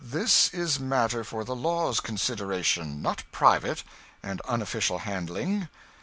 This is matter for the law's consideration, not private and unofficial handling.